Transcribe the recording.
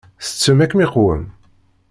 Tsettem akken iqwem?